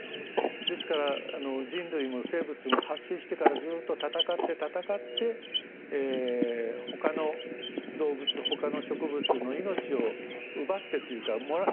ですから人類も生物も発生してからずっと戦って戦ってほかの動物ほかの植物の命を奪ってというか頂いて生き残るわけです。